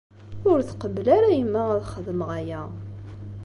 Ur tqebbel ara yemma ad xedmeɣ aya.